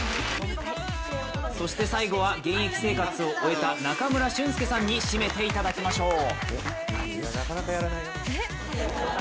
そして最後は現役生活を終えた中村俊輔さんに締めていただきましょう。